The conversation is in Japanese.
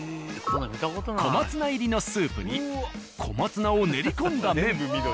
小松菜入りのスープに小松菜を練り込んだ麺。